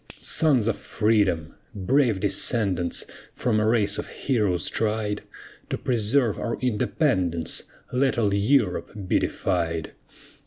Sons of Freedom! brave descendants From a race of heroes tried, To preserve our independence Let all Europe be defied.